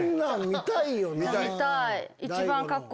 見たい！